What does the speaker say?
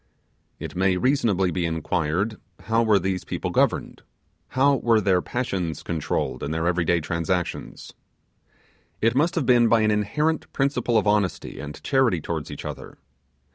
It may reasonably be inquired, how were these people governed? how were their passions controlled in their everyday transactions? It must have been by an inherent principle of honesty and charity towards each other.